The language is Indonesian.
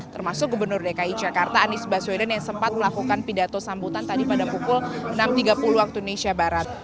termasuk gubernur dki jakarta anies baswedan yang sempat melakukan pidato sambutan tadi pada pukul enam tiga puluh waktu indonesia barat